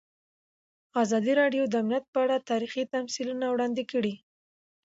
ازادي راډیو د امنیت په اړه تاریخي تمثیلونه وړاندې کړي.